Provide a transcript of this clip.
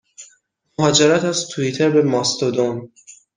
مهاجرت از توییتر به ماستودون